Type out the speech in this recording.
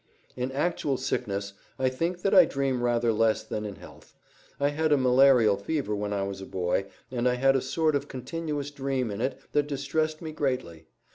In actual sickness I think that I dream rather less than in health. I had a malarial fever when I was a boy, and I had a sort of continuous dream in it that distressed me greatly.